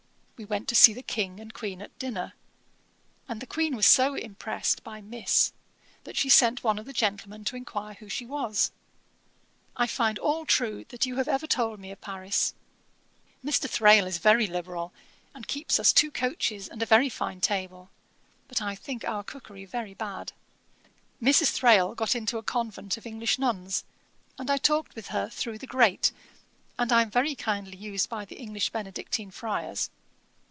We went to see the King and Queen at dinner, and the Queen was so impressed by Miss, that she sent one of the Gentlemen to enquire who she was. I find all true that you have ever told me of Paris. Mr. Thrale is very liberal, and keeps us two coaches, and a very fine table; but I think our cookery very bad. Mrs. Thrale got into a convent of English nuns, and I talked with her through the grate, and I am very kindly used by the English Benedictine friars.